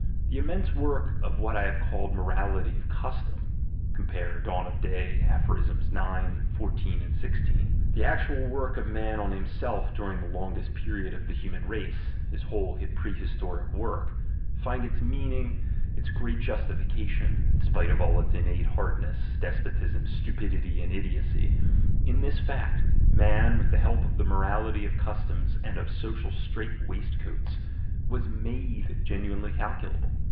The immense work of what I have called, "morality of custom"* (cp. Dawn oj Day, Aphs. 9, 14, and 16), the actual work of man on himself during the longest period of the human race, his whole prehistoric work, finds its meaning, its great justification (in spite of all its innate hardness, despotism, stupidity, and idiocy) in this fact: man, with the help of the morality of cus toms and of social strait waistcoats, was made genuinely calculable.